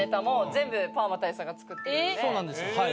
そうなんですはい。